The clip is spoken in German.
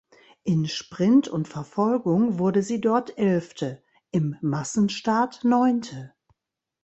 In Sprint und Verfolgung wurde sie dort Elfte, im Massenstart Neunte.